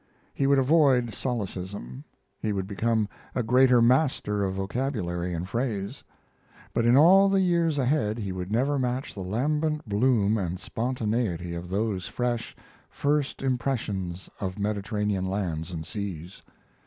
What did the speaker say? He would avoid solecism, he would become a greater master of vocabulary and phrase, but in all the years ahead he would never match the lambent bloom and spontaneity of those fresh, first impressions of Mediterranean lands and seas.